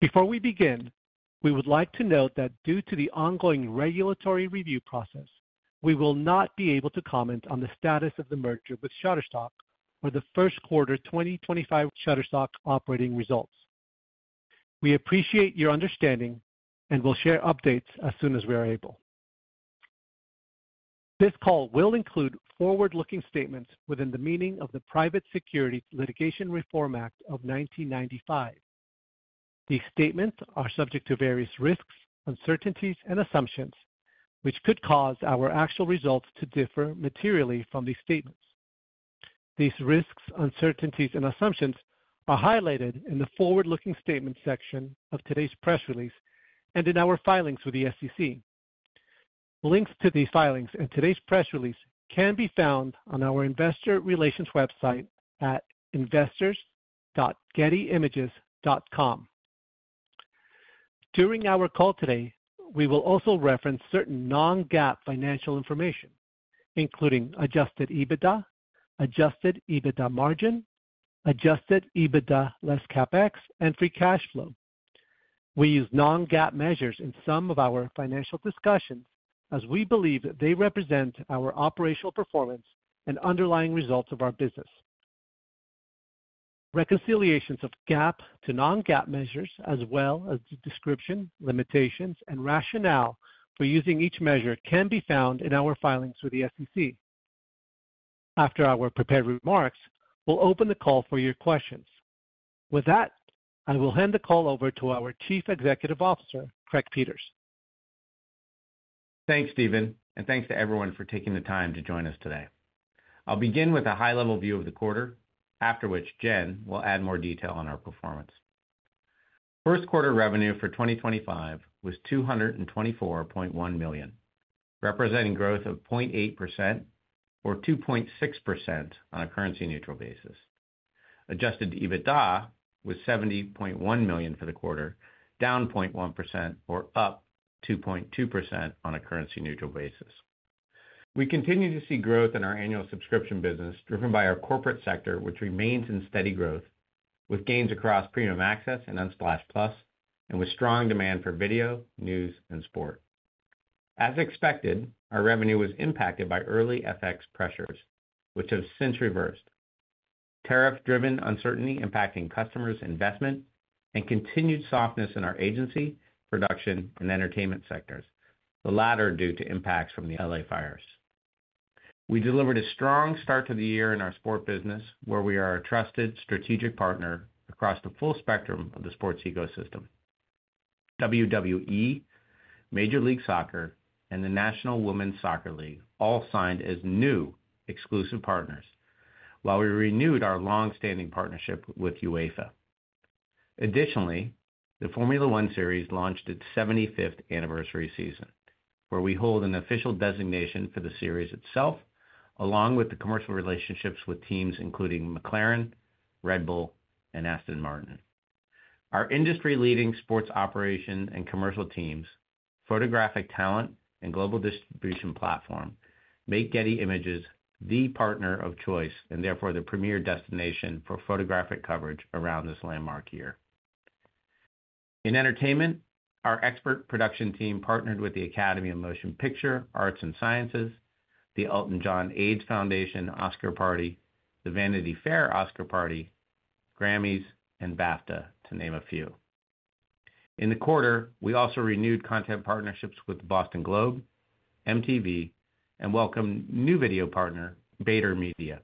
Before we begin, we would like to note that due to the ongoing regulatory review process, we will not be able to comment on the status of the merger with Shutterstock or the first quarter 2025 Shutterstock operating results. We appreciate your understanding and will share updates as soon as we are able. This call will include forward-looking statements within the meaning of the Private Securities Litigation Reform Act of 1995. These statements are subject to various risks, uncertainties, and assumptions, which could cause our actual results to differ materially from these statements. These risks, uncertainties, and assumptions are highlighted in the forward-looking statements section of today's press release and in our filings with the SEC. Links to these filings and today's press release can be found on our investor relations website at investors.gettyimages.com. During our call today, we will also reference certain non-GAAP financial information, including adjusted EBITDA, adjusted EBITDA margin, adjusted EBITDA less CapEx, and free cash flow. We use non-GAAP measures in some of our financial discussions as we believe they represent our operational performance and underlying results of our business. Reconciliations of GAAP to non-GAAP measures, as well as the description, limitations, and rationale for using each measure, can be found in our filings with the SEC. After our prepared remarks, we'll open the call for your questions. With that, I will hand the call over to our Chief Executive Officer, Craig Peters. Thanks, Steven, and thanks to everyone for taking the time to join us today. I'll begin with a high-level view of the quarter, after which Jen will add more detail on our performance. First quarter revenue for 2025 was $224.1 million, representing growth of 0.8% or 2.6% on a currency-neutral basis. Adjusted EBITDA was $70.1 million for the quarter, down 0.1% or up 2.2% on a currency-neutral basis. We continue to see growth in our annual subscription business, driven by our corporate sector, which remains in steady growth, with gains across Premium Access and Unsplash Plus, and with strong demand for video, news, and sport. As expected, our revenue was impacted by early FX pressures, which have since reversed: tariff-driven uncertainty impacting customers' investment and continued softness in our agency, production, and entertainment sectors, the latter due to impacts from the Los Angeles fires. We delivered a strong start to the year in our sport business, where we are a trusted, strategic partner across the full spectrum of the sports ecosystem. WWE, Major League Soccer, and the National Women's Soccer League all signed as new exclusive partners, while we renewed our long-standing partnership with UEFA. Additionally, the Formula One Series launched its 75th anniversary season, where we hold an official designation for the series itself, along with the commercial relationships with teams including McLaren, Red Bull, and Aston Martin. Our industry-leading sports operation and commercial teams, photographic talent, and global distribution platform make Getty Images the partner of choice and therefore the premier destination for photographic coverage around this landmark year. In entertainment, our expert production team partnered with the Academy of Motion Picture Arts and Sciences, the Elton John AIDS Foundation Oscar Party, the Vanity Fair Oscar Party, Grammys, and BAFTA, to name a few. In the quarter, we also renewed content partnerships with Boston Globe, MTV, and welcomed new video partner Bader Media.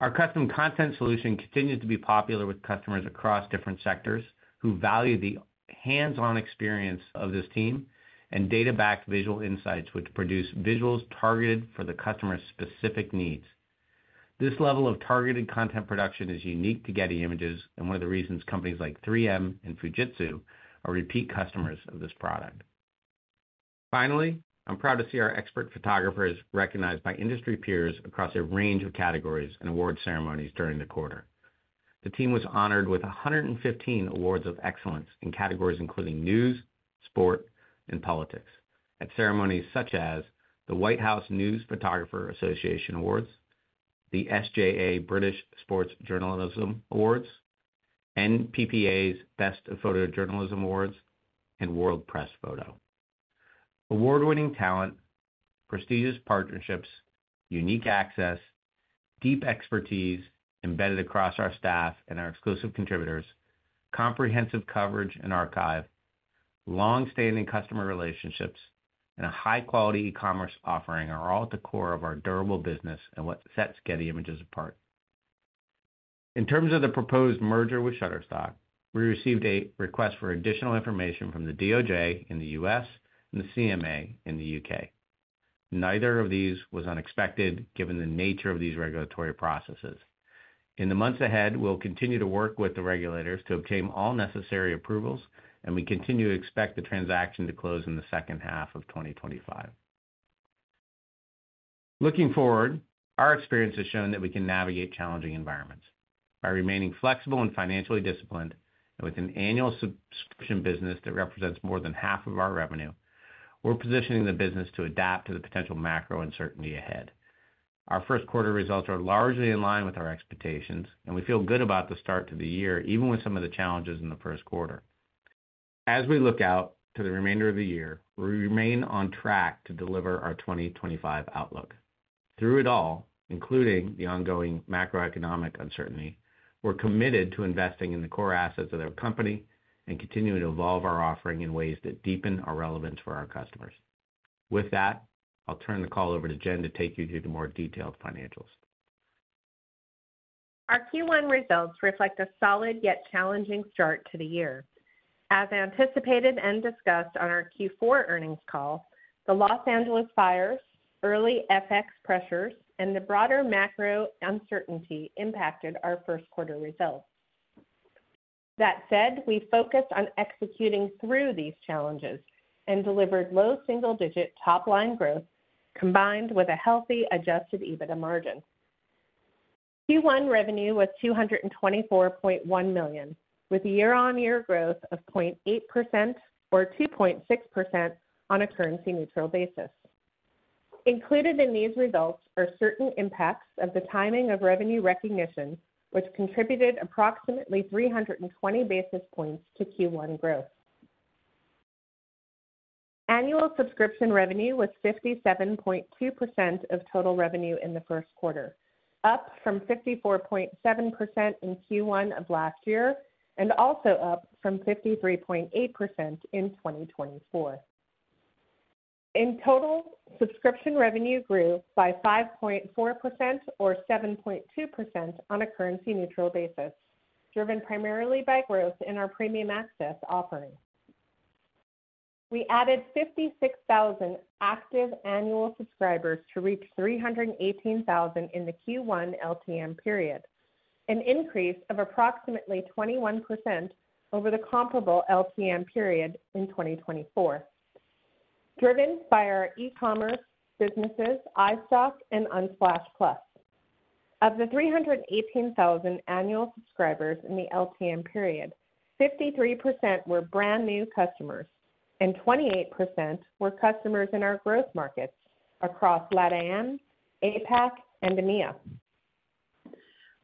Our custom content solution continues to be popular with customers across different sectors who value the hands-on experience of this team and data-backed visual insights, which produce visuals targeted for the customer's specific needs. This level of targeted content production is unique to Getty Images and one of the reasons companies like 3M and Fujitsu are repeat customers of this product. Finally, I'm proud to see our expert photographers recognized by industry peers across a range of categories and award ceremonies during the quarter. The team was honored with 115 awards of excellence in categories including news, sport, and politics at ceremonies such as the White House News Photographer Association Awards, the SJA British Sports Journalism Awards, NPPA's Best Photojournalism Awards, and World Press Photo. Award-winning talent, prestigious partnerships, unique access, deep expertise embedded across our staff and our exclusive contributors, comprehensive coverage and archive, long-standing customer relationships, and a high-quality e-commerce offering are all at the core of our durable business and what sets Getty Images apart. In terms of the proposed merger with Shutterstock, we received a request for additional information from the DOJ in the U.S. and the CMA in the U.K. Neither of these was unexpected given the nature of these regulatory processes. In the months ahead, we'll continue to work with the regulators to obtain all necessary approvals, and we continue to expect the transaction to close in the second half of 2025. Looking forward, our experience has shown that we can navigate challenging environments. By remaining flexible and financially disciplined, and with an annual subscription business that represents more than half of our revenue, we're positioning the business to adapt to the potential macro uncertainty ahead. Our first quarter results are largely in line with our expectations, and we feel good about the start to the year, even with some of the challenges in the first quarter. As we look out to the remainder of the year, we remain on track to deliver our 2025 outlook. Through it all, including the ongoing macroeconomic uncertainty, we're committed to investing in the core assets of our company and continuing to evolve our offering in ways that deepen our relevance for our customers. With that, I'll turn the call over to Jen to take you through the more detailed financials. Our Q1 results reflect a solid yet challenging start to the year. As anticipated and discussed on our Q4 earnings call, the Los Angeles fires, early FX pressures, and the broader macro uncertainty impacted our first quarter results. That said, we focused on executing through these challenges and delivered low single-digit top-line growth combined with a healthy adjusted EBITDA margin. Q1 revenue was $224.1 million, with year-on-year growth of 0.8% or 2.6% on a currency-neutral basis. Included in these results are certain impacts of the timing of revenue recognition, which contributed approximately 320 basis points to Q1 growth. Annual subscription revenue was 57.2% of total revenue in the first quarter, up from 54.7% in Q1 of last year and also up from 53.8% in 2024. In total, subscription revenue grew by 5.4% or 7.2% on a currency-neutral basis, driven primarily by growth in our Premium Access offering. We added 56,000 active annual subscribers to reach 318,000 in the Q1 LTM period, an increase of approximately 21% over the comparable LTM period in 2024, driven by our e-commerce businesses, iStock, and Unsplash+. Of the 318,000 annual subscribers in the LTM period, 53% were brand new customers, and 28% were customers in our growth markets across LATAM, APAC, and EMEA.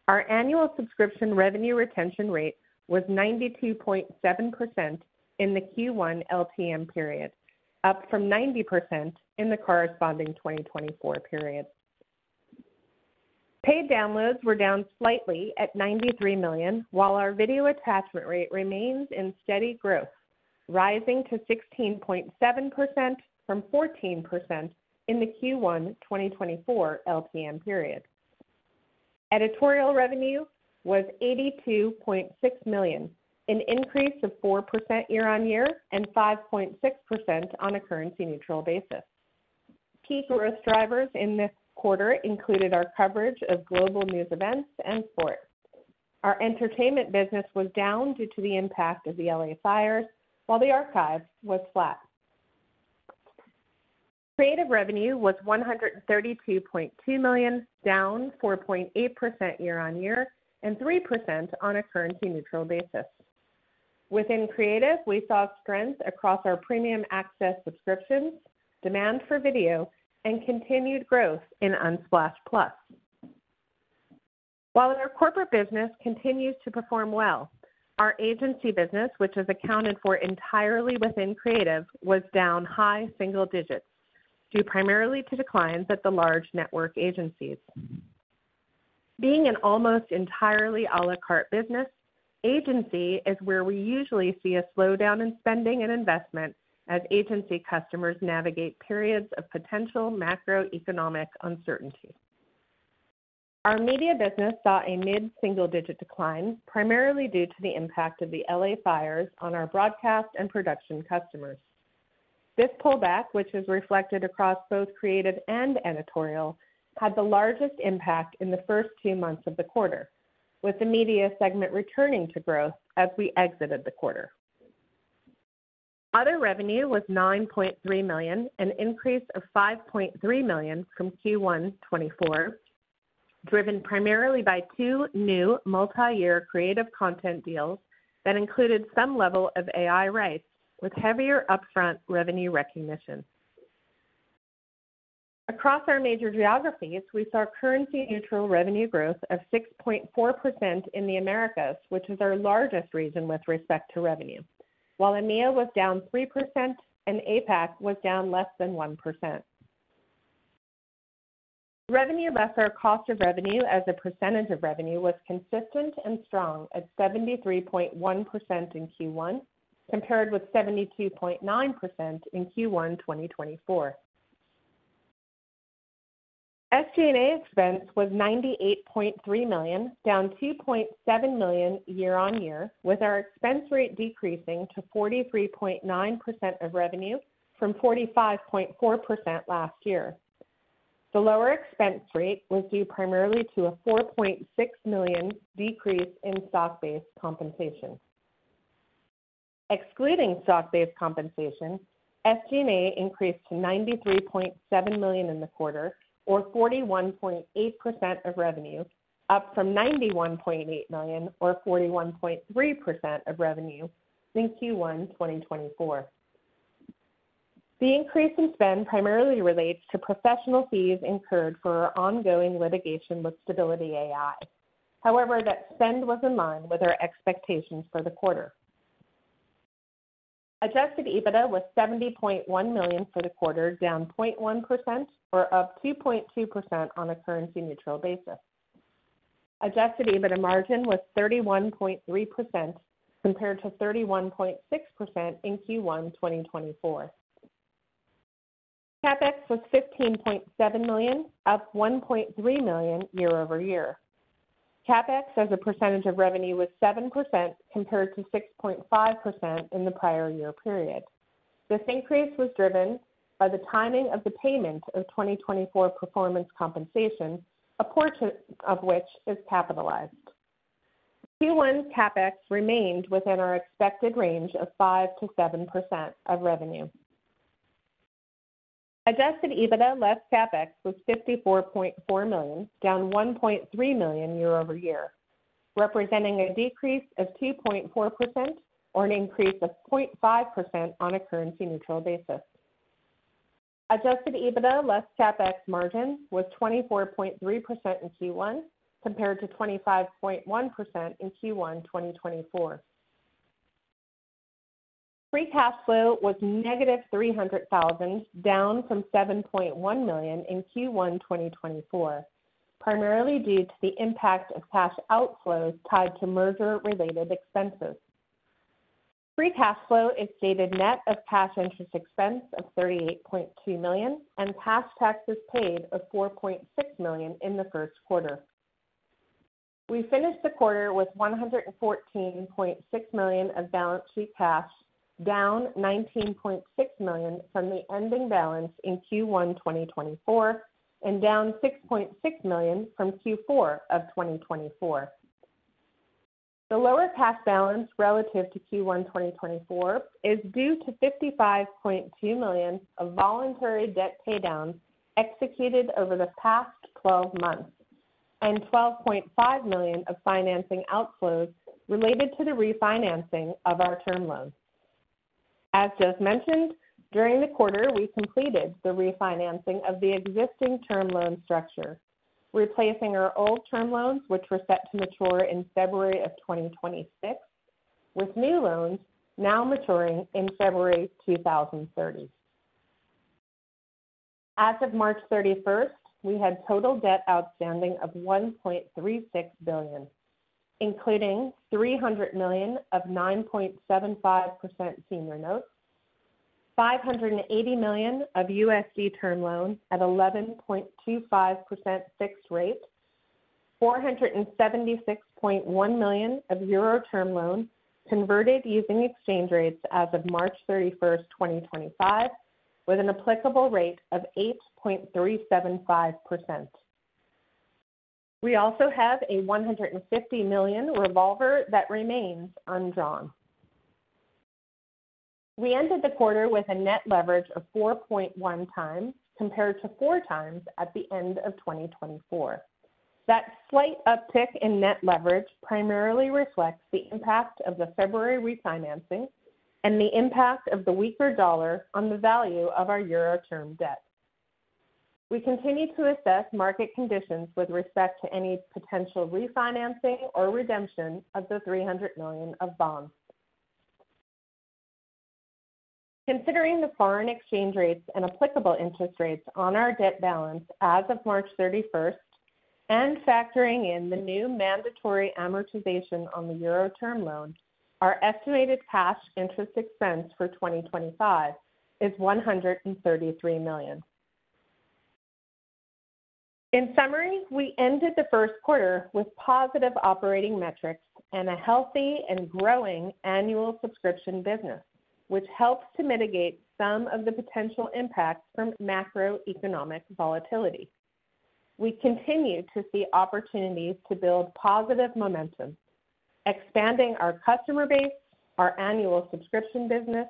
Our annual subscription revenue retention rate was 92.7% in the Q1 LTM period, up from 90% in the corresponding 2024 period. Paid downloads were down slightly at $93 million, while our video attachment rate remains in steady growth, rising to 16.7% from 14% in the Q1 2024 LTM period. Editorial revenue was $82.6 million, an increase of 4% year-on-year and 5.6% on a currency-neutral basis. Key growth drivers in this quarter included our coverage of global news events and sports. Our entertainment business was down due to the impact of the Los Angeles fires, while the archives was flat. Creative revenue was $132.2 million, down 4.8% year-on-year and 3% on a currency-neutral basis. Within creative, we saw strength across our Premium Access subscriptions, demand for video, and continued growth in Unsplash+. While our corporate business continues to perform well, our agency business, which is accounted for entirely within creative, was down high single digits due primarily to declines at the large network agencies. Being an almost entirely à la carte business, agency is where we usually see a slowdown in spending and investment as agency customers navigate periods of potential macroeconomic uncertainty. Our media business saw a mid-single-digit decline, primarily due to the impact of the Los Angeles fires on our broadcast and production customers. This pullback, which is reflected across both creative and editorial, had the largest impact in the first two months of the quarter, with the media segment returning to growth as we exited the quarter. Other revenue was $9.3 million, an increase of $5.3 million from Q1 2024, driven primarily by two new multi-year creative content deals that included some level of AI rights with heavier upfront revenue recognition. Across our major geographies, we saw currency-neutral revenue growth of 6.4% in the Americas, which is our largest region with respect to revenue, while EMEA was down 3% and APAC was down less than 1%. Revenue less cost of revenue as a percentage of revenue was consistent and strong at 73.1% in Q1, compared with 72.9% in Q1 2024. SG&A expense was $98.3 million, down $2.7 million year-on-year, with our expense rate decreasing to 43.9% of revenue from 45.4% last year. The lower expense rate was due primarily to a $4.6 million decrease in stock-based compensation. Excluding stock-based compensation, SG&A increased to $93.7 million in the quarter, or 41.8% of revenue, up from $91.8 million or 41.3% of revenue in Q1 2024. The increase in spend primarily relates to professional fees incurred for our ongoing litigation with Stability AI. However, that spend was in line with our expectations for the quarter. Adjusted EBITDA was $70.1 million for the quarter, down 0.1% or up 2.2% on a currency-neutral basis. Adjusted EBITDA margin was 31.3% compared to 31.6% in Q1 2024. CapEx was $15.7 million, up $1.3 million year-over-year. CapEx as a percentage of revenue was 7% compared to 6.5% in the prior year period. This increase was driven by the timing of the payment of 2024 performance compensation, a portion of which is capitalized. Q1 CapEx remained within our expected range of 5%-7% of revenue. Adjusted EBITDA less CapEx was $54.4 million, down $1.3 million year-over-year, representing a decrease of 2.4% or an increase of 0.5% on a currency-neutral basis. Adjusted EBITDA less CapEx margin was 24.3% in Q1 compared to 25.1% in Q1 2024. Free cash flow was negative $300,000, down from $7.1 million in Q1 2024, primarily due to the impact of cash outflows tied to merger-related expenses. Free cash flow exceeded net of cash interest expense of $38.2 million and cash taxes paid of $4.6 million in the first quarter. We finished the quarter with $114.6 million of balance sheet cash, down $19.6 million from the ending balance in Q1 2024 and down $6.6 million from Q4 of 2024. The lower cash balance relative to Q1 2024 is due to $55.2 million of voluntary debt paydowns executed over the past 12 months and $12.5 million of financing outflows related to the refinancing of our term loans. As just mentioned, during the quarter, we completed the refinancing of the existing term loan structure, replacing our old term loans, which were set to mature in February of 2026, with new loans now maturing in February 2030. As of March 31, we had total debt outstanding of $1.36 billion, including $300 million of 9.75% senior notes, $580 million of USD term loans at 11.25% fixed rate, $476.1 million of EUR term loans converted using exchange rates as of March 31, 2025, with an applicable rate of 8.375%. We also have a $150 million revolver that remains undrawn. We ended the quarter with a net leverage of 4.1 times compared to 4 times at the end of 2024. That slight uptick in net leverage primarily reflects the impact of the February refinancing and the impact of the weaker dollar on the value of our euro term debt. We continue to assess market conditions with respect to any potential refinancing or redemption of the $300 million of bonds. Considering the foreign exchange rates and applicable interest rates on our debt balance as of March 31 and factoring in the new mandatory amortization on the euro term loan, our estimated cash interest expense for 2025 is $133 million. In summary, we ended the first quarter with positive operating metrics and a healthy and growing annual subscription business, which helps to mitigate some of the potential impacts from macroeconomic volatility. We continue to see opportunities to build positive momentum, expanding our customer base, our annual subscription business,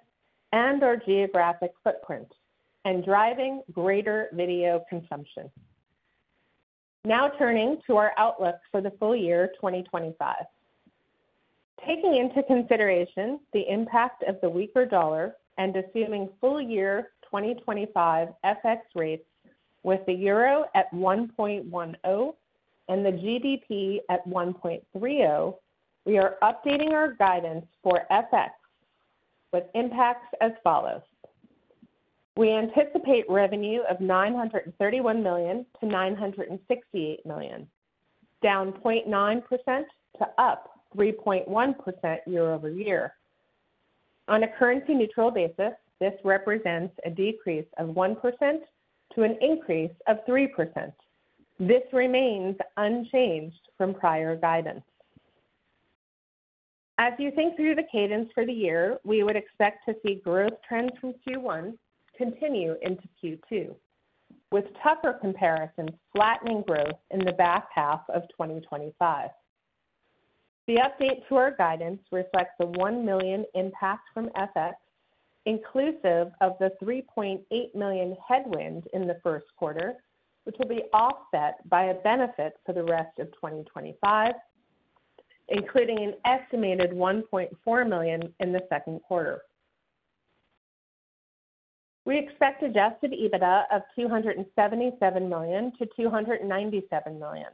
and our geographic footprint, and driving greater video consumption. Now turning to our outlook for the full year 2025. Taking into consideration the impact of the weaker dollar and assuming full year 2025 FX rates with the euro at 1.10 and the GBP at 1.30, we are updating our guidance for FX with impacts as follows. We anticipate revenue of $931 million-$968 million, down 0.9% to up 3.1% year-over-year. On a currency-neutral basis, this represents a decrease of 1% to an increase of 3%. This remains unchanged from prior guidance. As you think through the cadence for the year, we would expect to see growth trends from Q1 continue into Q2, with tougher comparisons flattening growth in the back half of 2025. The update to our guidance reflects a $1 million impact from FX, inclusive of the $3.8 million headwind in the first quarter, which will be offset by a benefit for the rest of 2025, including an estimated $1.4 million in the second quarter. We expect adjusted EBITDA of $277 million-$297 million,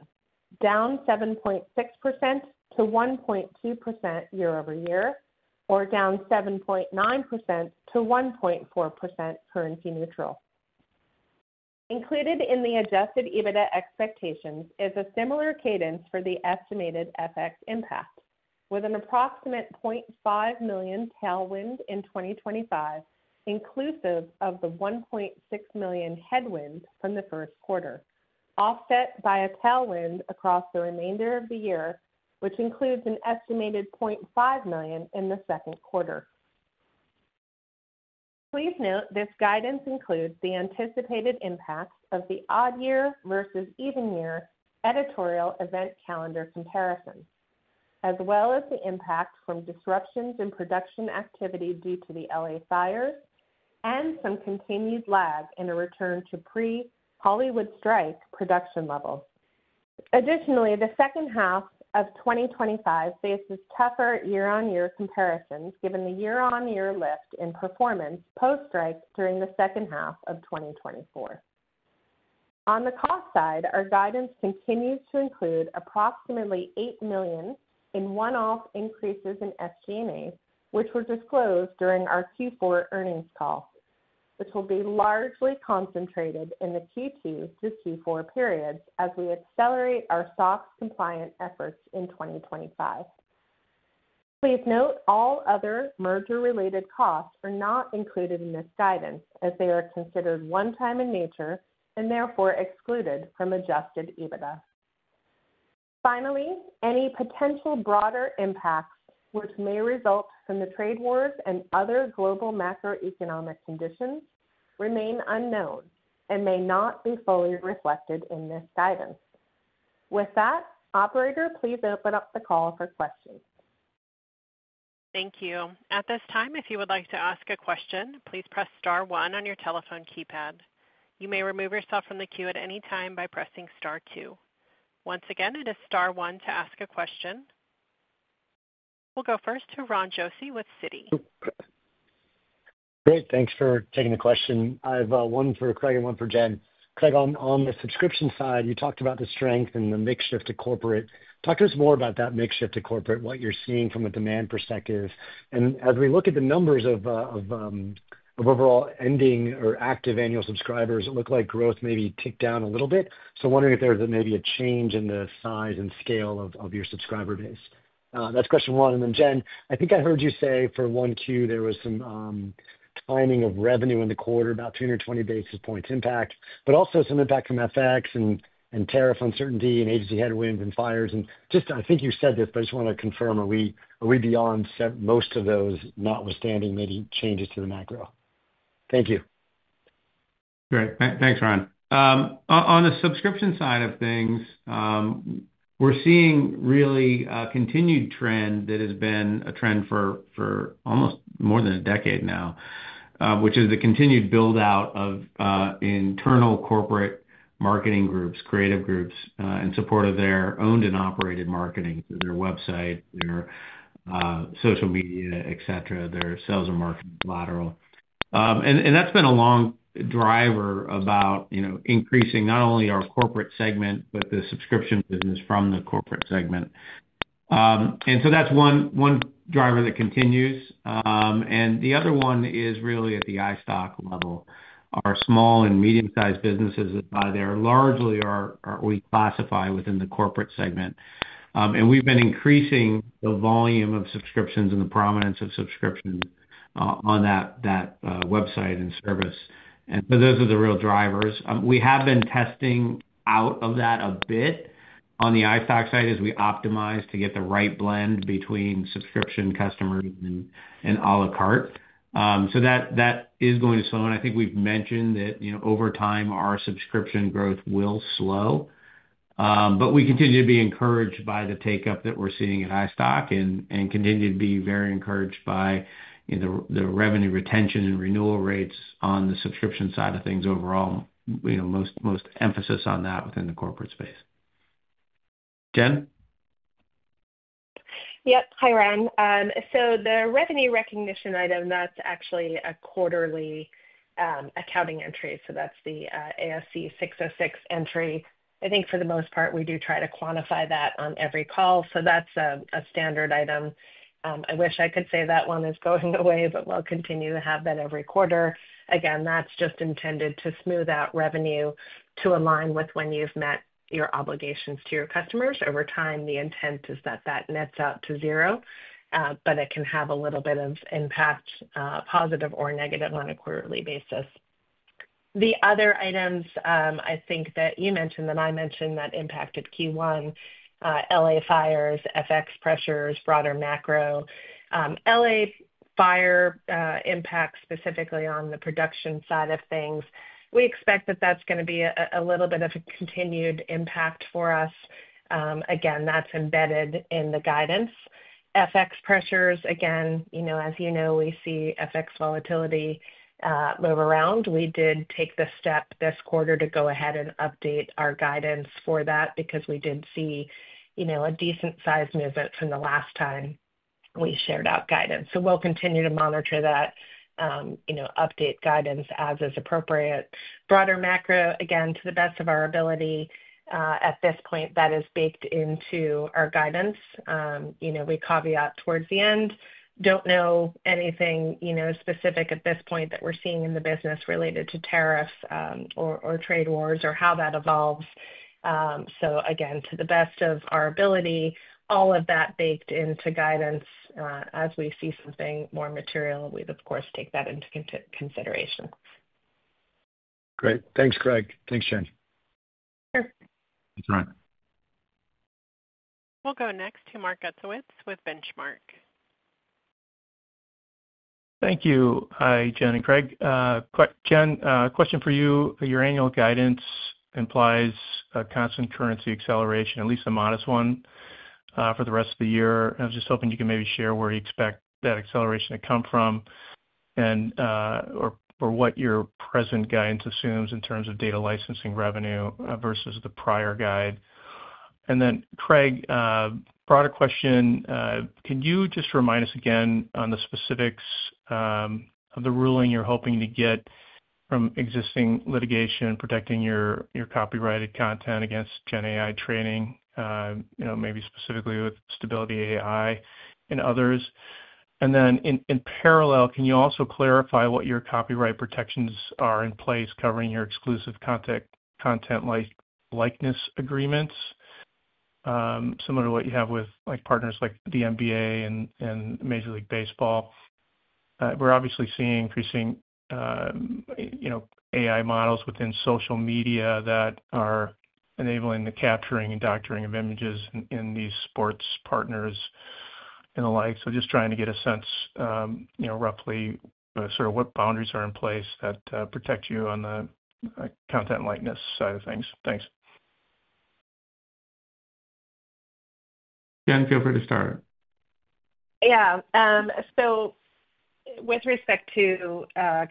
down 7.6%-1.2% year-over-year, or down 7.9%-1.4% currency-neutral. Included in the adjusted EBITDA expectations is a similar cadence for the estimated FX impact, with an approximate $0.5 million tailwind in 2025, inclusive of the $1.6 million headwind from the first quarter, offset by a tailwind across the remainder of the year, which includes an estimated $0.5 million in the second quarter. Please note this guidance includes the anticipated impact of the odd year versus even year editorial event calendar comparison, as well as the impact from disruptions in production activity due to the Los Angeles fires and some continued lag in a return to pre-Hollywood strike production levels. Additionally, the second half of 2025 faces tougher year-on-year comparisons given the year-on-year lift in performance post-strike during the second half of 2024. On the cost side, our guidance continues to include approximately $8 million in one-off increases in SG&A, which were disclosed during our Q4 earnings call, which will be largely concentrated in the Q2 to Q4 periods as we accelerate our SOX compliant efforts in 2025. Please note all other merger-related costs are not included in this guidance as they are considered one-time in nature and therefore excluded from adjusted EBITDA. Finally, any potential broader impacts, which may result from the trade wars and other global macroeconomic conditions, remain unknown and may not be fully reflected in this guidance. With that, operator, please open up the call for questions. Thank you. At this time, if you would like to ask a question, please press Star one on your telephone keypad. You may remove yourself from the queue at any time by pressing Star two. Once again, it is Star one to ask a question. We'll go first to Ron Josey with Citi. Great. Thanks for taking the question. I have one for Craig and one for Jen. Craig, on the subscription side, you talked about the strength and the makeshift to corporate. Talk to us more about that makeshift to corporate, what you're seeing from a demand perspective. As we look at the numbers of overall ending or active annual subscribers, it looked like growth maybe ticked down a little bit. I am wondering if there is maybe a change in the size and scale of your subscriber base. That is question one. Jen, I think I heard you say for Q1 there was some timing of revenue in the quarter, about 220 basis points impact, but also some impact from FX and tariff uncertainty and agency headwinds and fires. I think you said this, but I just want to confirm, are we beyond most of those, notwithstanding maybe changes to the macro? Thank you. Great. Thanks, Ron. On the subscription side of things, we're seeing really a continued trend that has been a trend for almost more than a decade now, which is the continued build-out of internal corporate marketing groups, creative groups, in support of their owned and operated marketing, their website, their social media, etc., their sales and marketing collateral. That's been a long driver about increasing not only our corporate segment, but the subscription business from the corporate segment. That is one driver that continues. The other one is really at the iStock level, our small and medium-sized businesses that are largely what we classify within the corporate segment. We've been increasing the volume of subscriptions and the prominence of subscriptions on that website and service. Those are the real drivers. We have been testing out of that a bit on the iStock side as we optimize to get the right blend between subscription customers and à la carte. That is going to slow. I think we've mentioned that over time, our subscription growth will slow. We continue to be encouraged by the take-up that we're seeing at iStock and continue to be very encouraged by the revenue retention and renewal rates on the subscription side of things overall, most emphasis on that within the corporate space. Jen? Yep. Hi, Ron. The revenue recognition item, that's actually a quarterly accounting entry. That's the ASC 606 entry. I think for the most part, we do try to quantify that on every call. That's a standard item. I wish I could say that one is going away, but we'll continue to have that every quarter. Again, that's just intended to smooth out revenue to align with when you've met your obligations to your customers over time. The intent is that that nets out to zero, but it can have a little bit of impact, positive or negative, on a quarterly basis. The other items I think that you mentioned and I mentioned that impacted Q1, LA fires, FX pressures, broader macro. LA fire impact specifically on the production side of things. We expect that that's going to be a little bit of a continued impact for us. Again, that's embedded in the guidance. FX pressures, again, as you know, we see FX volatility move around. We did take the step this quarter to go ahead and update our guidance for that because we did see a decent-sized movement from the last time we shared out guidance. We'll continue to monitor that, update guidance as is appropriate. Broader macro, again, to the best of our ability at this point, that is baked into our guidance. We caveat towards the end. Do not know anything specific at this point that we're seeing in the business related to tariffs or trade wars or how that evolves. Again, to the best of our ability, all of that baked into guidance. As we see something more material, we'd, of course, take that into consideration. Great. Thanks, Craig. Thanks, Jen. Sure. Thanks, Ron. We'll go next to Mark Gettowitz with Benchmark. Thank you, Jen and Craig. Jen, question for you. Your annual guidance implies a constant currency acceleration, at least a modest one, for the rest of the year. I'm just hoping you can maybe share where you expect that acceleration to come from or what your present guidance assumes in terms of data licensing revenue versus the prior guide. Craig, broader question. Can you just remind us again on the specifics of the ruling you're hoping to get from existing litigation protecting your copyrighted content against GenAI training, maybe specifically with Stability AI and others? In parallel, can you also clarify what your copyright protections are in place covering your exclusive content likeness agreements, similar to what you have with partners like the NBA and Major League Baseball? We're obviously seeing increasing AI models within social media that are enabling the capturing and doctoring of images in these sports partners and the like. Just trying to get a sense, roughly, sort of what boundaries are in place that protect you on the content likeness side of things. Thanks. Jen, feel free to start. Yeah. With respect to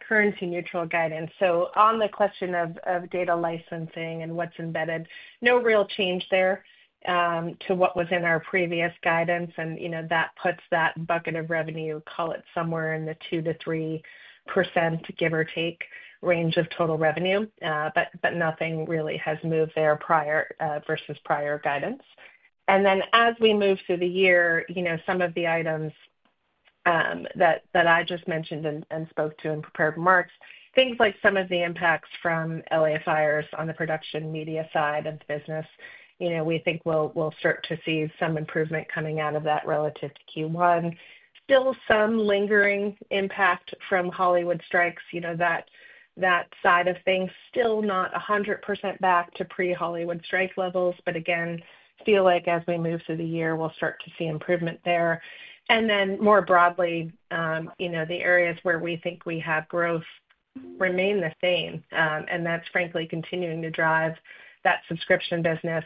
currency-neutral guidance, on the question of data licensing and what's embedded, no real change there to what was in our previous guidance. That puts that bucket of revenue, call it somewhere in the 2%-3% range of total revenue. Nothing really has moved there versus prior guidance. As we move through the year, some of the items that I just mentioned and spoke to in prepared marks, things like some of the impacts from Los Angeles fires on the production media side of the business, we think we'll start to see some improvement coming out of that relative to Q1. Still some lingering impact from Hollywood strikes, that side of things. Still not 100% back to pre-Hollywood strike levels, but again, feel like as we move through the year, we'll start to see improvement there. More broadly, the areas where we think we have growth remain the same. That's frankly continuing to drive that subscription business.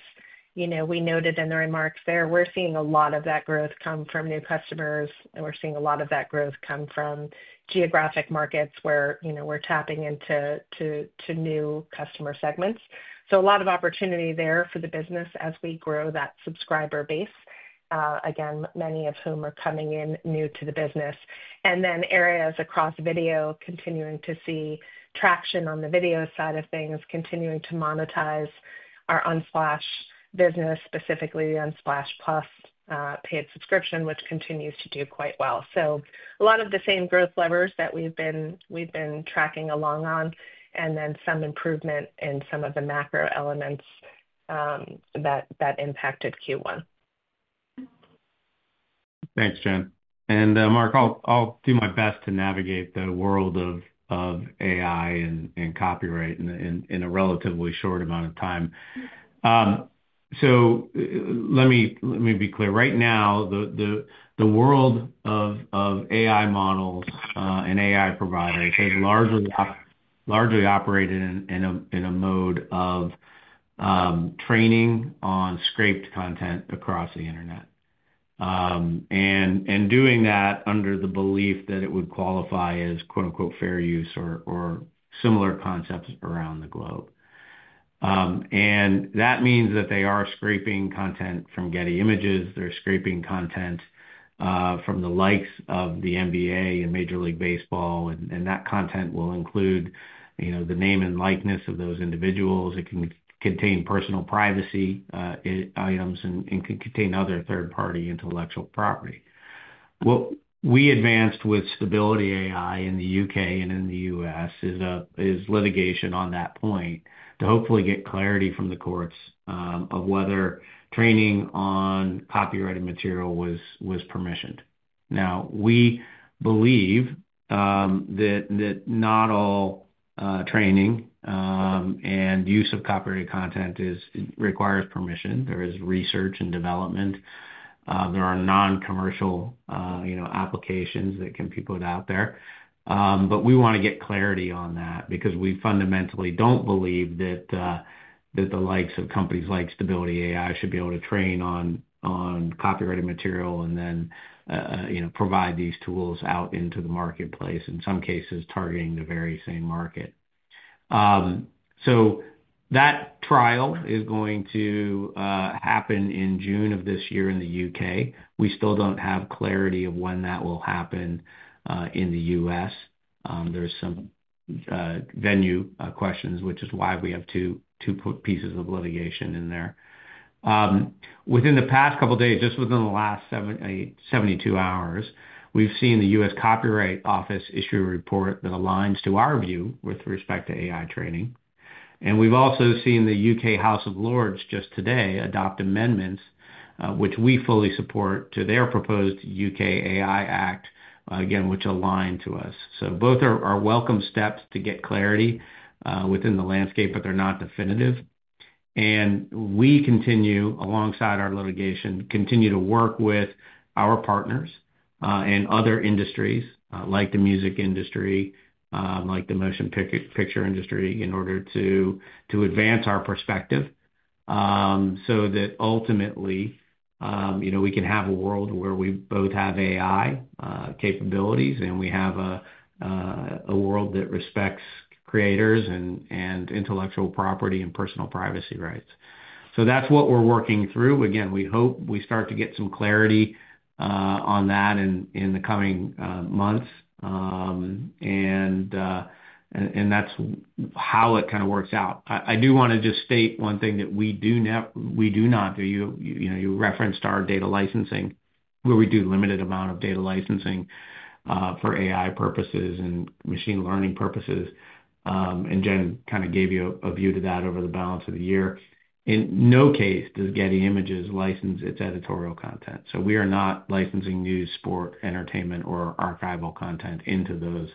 We noted in the remarks there, we're seeing a lot of that growth come from new customers. We're seeing a lot of that growth come from geographic markets where we're tapping into new customer segments. A lot of opportunity there for the business as we grow that subscriber base, again, many of whom are coming in new to the business. Then areas across video continuing to see traction on the video side of things, continuing to monetize our Unsplash business, specifically the Unsplash+ paid subscription, which continues to do quite well. A lot of the same growth levers that we've been tracking along on, and then some improvement in some of the macro elements that impacted Q1. Thanks, Jen. Mark, I'll do my best to navigate the world of AI and copyright in a relatively short amount of time. Let me be clear. Right now, the world of AI models and AI providers has largely operated in a mode of training on scraped content across the internet. Doing that under the belief that it would qualify as "fair use" or similar concepts around the globe. That means that they are scraping content from Getty Images. They're scraping content from the likes of the NBA and Major League Baseball. That content will include the name and likeness of those individuals. It can contain personal privacy items and can contain other third-party intellectual property. What we advanced with Stability AI in the U.K. and in the U.S. is litigation on that point to hopefully get clarity from the courts of whether training on copyrighted material was permissioned. Now, we believe that not all training and use of copyrighted content requires permission. There is research and development. There are non-commercial applications that can be put out there. We want to get clarity on that because we fundamentally do not believe that the likes of companies like Stability AI should be able to train on copyrighted material and then provide these tools out into the marketplace, in some cases targeting the very same market. That trial is going to happen in June of this year in the U.K. We still do not have clarity of when that will happen in the U.S. There are some venue questions, which is why we have two pieces of litigation in there. Within the past couple of days, just within the last 72 hours, we have seen the U.S. Copyright Office issue a report that aligns to our view with respect to AI training. We have also seen the U.K. House of Lords just today adopt amendments, which we fully support, to their proposed U.K. AI Act, again, which align to us. Both are welcome steps to get clarity within the landscape, but they are not definitive. We continue, alongside our litigation, to work with our partners and other industries, like the music industry, like the motion picture industry, in order to advance our perspective so that ultimately we can have a world where we both have AI capabilities and we have a world that respects creators and intellectual property and personal privacy rights. That is what we are working through. Again, we hope we start to get some clarity on that in the coming months. That is how it kind of works out. I do want to just state one thing that we do not do. You referenced our data licensing, where we do a limited amount of data licensing for AI purposes and machine learning purposes. Jen kind of gave you a view to that over the balance of the year. In no case does Getty Images license its editorial content. We are not licensing news, sport, entertainment, or archival content into those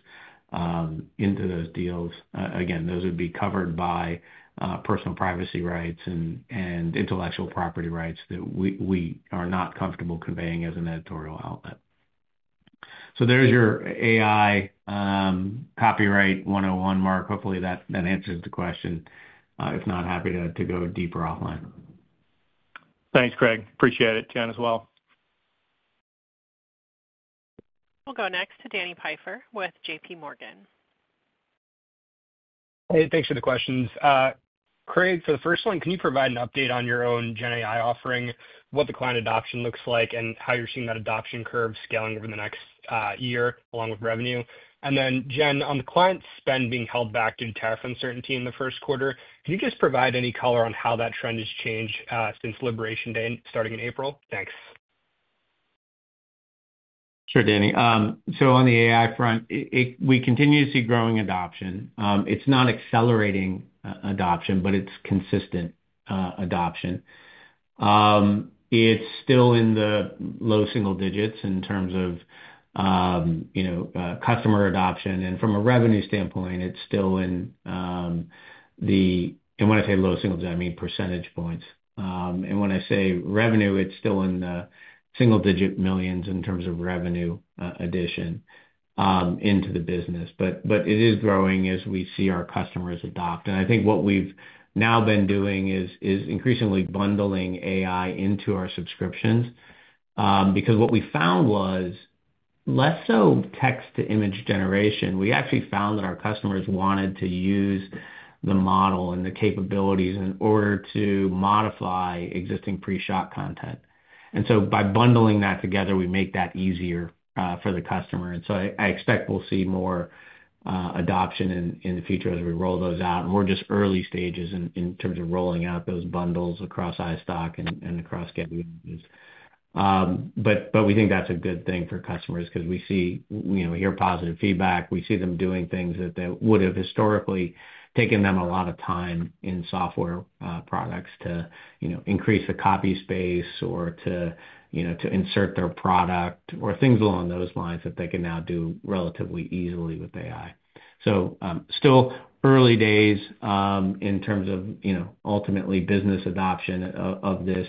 deals. Again, those would be covered by personal privacy rights and intellectual property rights that we are not comfortable conveying as an editorial outlet. There is your AI copyright 101, Mark. Hopefully, that answers the question. If not, happy to go deeper offline. Thanks, Craig. Appreciate it, Jen, as well. We'll go next to Danny Pfeiffer with J.P. Morgan. Hey, thanks for the questions. Craig, for the first one, can you provide an update on your own GenAI offering, what the client adoption looks like, and how you're seeing that adoption curve scaling over the next year along with revenue? Jen, on the client spend being held back due to tariff uncertainty in the first quarter, can you just provide any color on how that trend has changed since Liberation Day starting in April? Thanks. Sure, Danny. On the AI front, we continue to see growing adoption. It is not accelerating adoption, but it is consistent adoption. It is still in the low single digits in terms of customer adoption. From a revenue standpoint, it is still in the—and when I say low single digits, I mean percentage points. When I say revenue, it is still in the single-digit millions in terms of revenue addition into the business. It is growing as we see our customers adopt. I think what we have now been doing is increasingly bundling AI into our subscriptions because what we found was less so text-to-image generation. We actually found that our customers wanted to use the model and the capabilities in order to modify existing pre-shot content. By bundling that together, we make that easier for the customer. I expect we'll see more adoption in the future as we roll those out. We're just early stages in terms of rolling out those bundles across iStock and across Getty Images. We think that's a good thing for customers because we hear positive feedback. We see them doing things that would have historically taken them a lot of time in software products to increase the copy space or to insert their product or things along those lines that they can now do relatively easily with AI. Still early days in terms of ultimately business adoption of this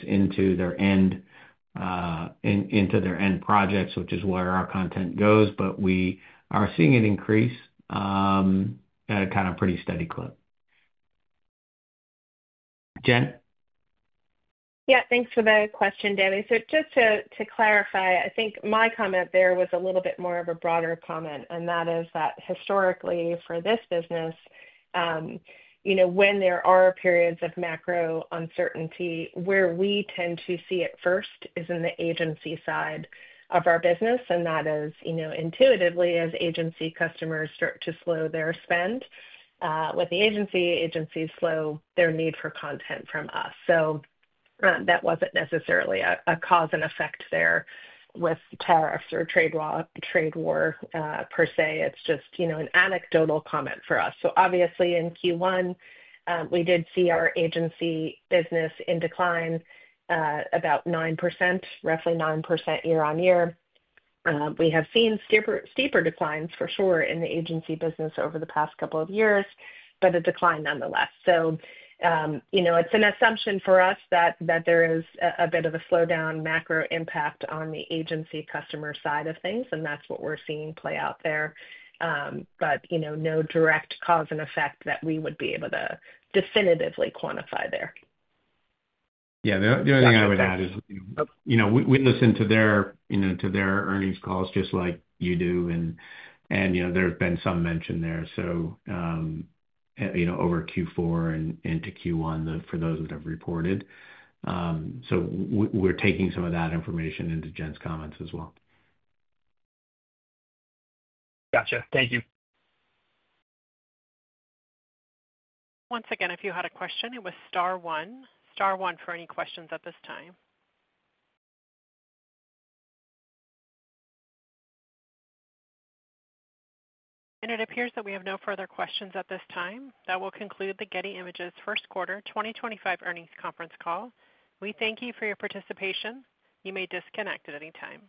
into their end projects, which is where our content goes. We are seeing an increase at a kind of pretty steady clip. Jen? Yeah, thanks for the question, Danny. Just to clarify, I think my comment there was a little bit more of a broader comment. That is that historically, for this business, when there are periods of macro uncertainty, where we tend to see it first is in the agency side of our business. That is intuitively as agency customers start to slow their spend with the agency, agencies slow their need for content from us. That was not necessarily a cause and effect there with tariffs or trade war per se. It is just an anecdotal comment for us. Obviously, in Q1, we did see our agency business in decline about 9%, roughly 9% year on year. We have seen steeper declines, for sure, in the agency business over the past couple of years, but a decline nonetheless. It is an assumption for us that there is a bit of a slowdown, macro impact on the agency customer side of things. That is what we are seeing play out there. No direct cause and effect that we would be able to definitively quantify there. Yeah. The only thing I would add is we listen to their earnings calls just like you do. There has been some mention there over Q4 and into Q1 for those that have reported. We are taking some of that information into Jen's comments as well. Gotcha. Thank you. Once again, if you had a question, it was Star one. Star one for any questions at this time. It appears that we have no further questions at this time. That will conclude the Getty Images First Quarter 2025 earnings conference call. We thank you for your participation. You may disconnect at any time.